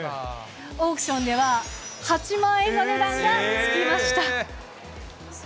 オークションでは、８万円の値段が付きました。